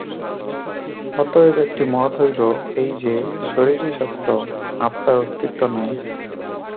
অতএব একটি মত হইল এই যে, শরীরই সত্য, আত্মার অস্তিত্ব নাই।